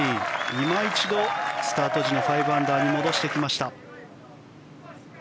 いま一度、スタート時の５アンダーに戻してきました。